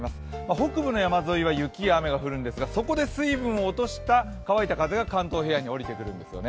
北部の山沿いは雪や雨が降るんですが、そこで水分を落とした乾いた風が関東地方に吹いてくるんですね。